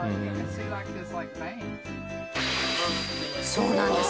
そうなんです。